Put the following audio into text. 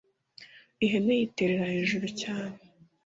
ihene yiterera hejuru cyane